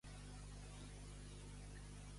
Què va heretar Bunzi llavors?